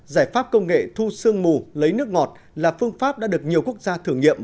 giải pháp công nghệ thu sương mù lấy nước ngọt là phương pháp đã được nhiều quốc gia thử nghiệm